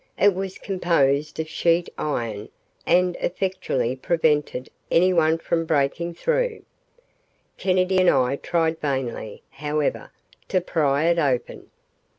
It was composed of sheet iron and effectually prevented anyone from breaking through. Kennedy and I tried vainly, however, to pry it open.